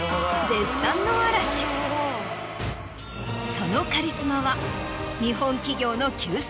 そのカリスマは。